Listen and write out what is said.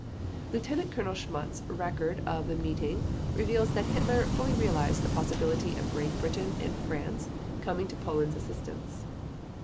Lieutenant Colonel Schmundt's record of the meeting reveals that Hitler fully realized the possibility of Great Britain and France coming to Poland's assistance.